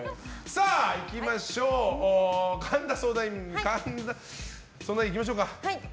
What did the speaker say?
さあ、神田相談員いきましょうか。